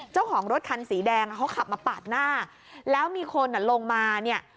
เจ้าของรถคันสีแดงเขาขับมาปาดหน้าแล้วมีคนอ่ะลงมาเนี่ย